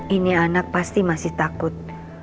ini anak pasti masih takut